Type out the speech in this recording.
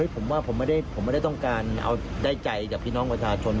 ผมว่าผมไม่ได้ต้องการเอาได้ใจกับพี่น้องประชาชน